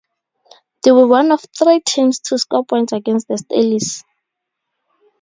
They were one of three teams to score points against the Staleys.